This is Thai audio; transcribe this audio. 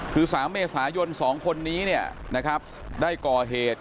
คือสามเมษายนสองคนนี้ได้ก่อเหตุ